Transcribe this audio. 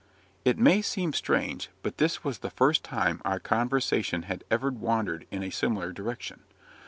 It may seem strange, but this was the first time our conversation had ever wandered in a similar direction.